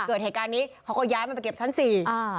เกิดเหตุการณ์นี้เขาก็ย้ายมันไปเก็บชั้นสี่อ่า